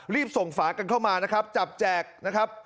รีบส่งฝากันเข้ามานะครับจับแจกนะครับ